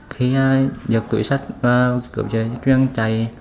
khi giật tuổi sách và cướp sợi dây chuyên chạy